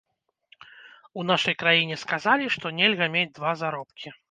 У нашай краіне сказалі, што нельга мець два заробкі.